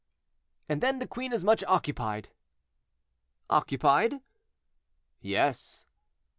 "And then the queen is much occupied." "Occupied?" "Yes."